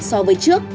so với trước